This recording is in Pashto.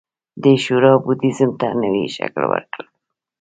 دې شورا بودیزم ته نوی شکل ورکړ